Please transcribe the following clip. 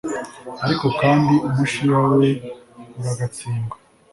ariko kandi umushiha we uragatsindwa